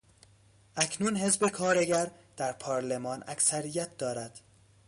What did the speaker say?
اکنون حزب کارگر در پارلمان اکثریت دارد.